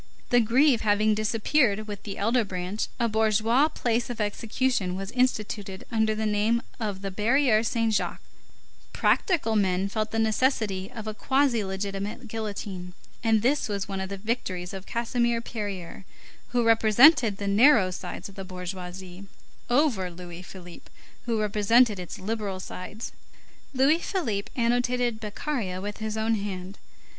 The Grève having disappeared with the elder branch, a bourgeois place of execution was instituted under the name of the Barrière Saint Jacques; "practical men" felt the necessity of a quasi legitimate guillotine; and this was one of the victories of Casimir Périer, who represented the narrow sides of the bourgeoisie, over Louis Philippe, who represented its liberal sides. Louis Philippe annotated Beccaria with his own hand.